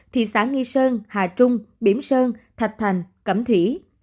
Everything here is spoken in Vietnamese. thị xã nghi sơn hà trung bỉm sơn thạch thành cẩm thủy